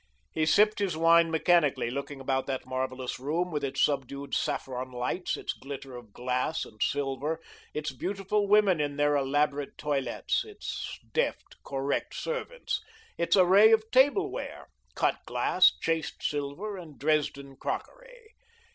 He sipped his wine mechanically, looking about that marvellous room, with its subdued saffron lights, its glitter of glass and silver, its beautiful women in their elaborate toilets, its deft, correct servants; its array of tableware cut glass, chased silver, and Dresden crockery.